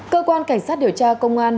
cơ quan cảnh sát điều tra công an